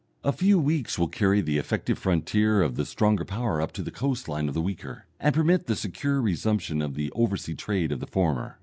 A few weeks will carry the effective frontier of the stronger power up to the coast line of the weaker, and permit of the secure resumption of the over sea trade of the former.